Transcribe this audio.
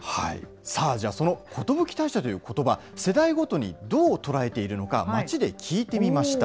さあ、じゃあ、その寿退社ということば、世代ごとに、どう捉えているのか、街で聞いてみました。